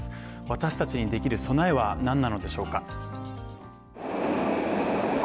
私達にできる備えは何なのでしょうか？